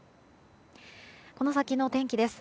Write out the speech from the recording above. この先の天気です。